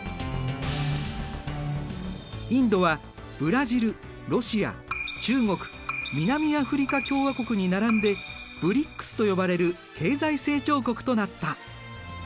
インドはブラジルロシア中国南アフリカ共和国に並んでＢＲＩＣＳと呼ばれる経済成長国となった。